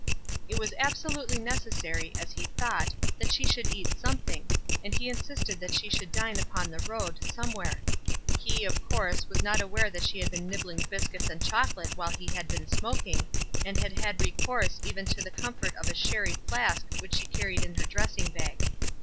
It was absolutely necessary, as he thought, that she should eat something, and he insisted that she should dine upon the road, somewhere. He, of course, was not aware that she had been nibbling biscuits and chocolate while he had been smoking, and had had recourse even to the comfort of a sherry flask which she carried in her dressing bag.